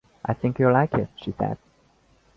“I think you’ll like it,” she said.